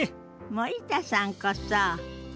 森田さんこそ。